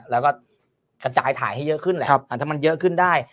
แล้วก็กระจายถ่ายให้เยอะขึ้นแหละถ้ามันเยอะขึ้นได้